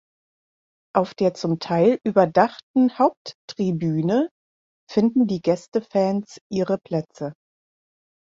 Auf der zum Teil überdachten Haupttribüne finden die Gästefans ihre Plätze.